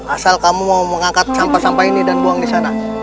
asal kamu mau mengangkat sampah sampah ini dan buang di sana